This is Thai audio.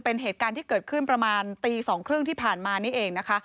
เป็นเหตุการณ์ที่เกิดขึ้นประมาณตี๒๓๐ที่ผ่านมานี่เองนะคะ